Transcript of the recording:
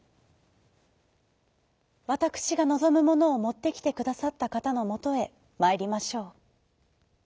「わたくしがのぞむものをもってきてくださったかたのもとへまいりましょう。